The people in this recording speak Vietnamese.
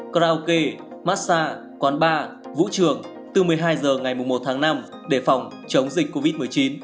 kraoke massa quán ba vũ trường từ một mươi hai h ngày một tháng năm để phòng chống dịch covid một mươi chín